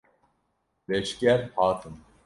Leşger hatin.